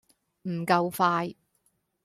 唔夠快